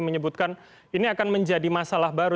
menyebutkan ini akan menjadi masalah baru